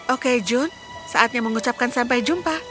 oke jun saatnya mengucapkan sampai jumpa